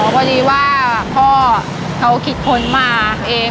พอดีว่าพ่อเขาคิดพ้นมาเอง